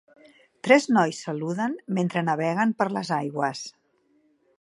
Tres nois saluden mentre naveguen per les aigües.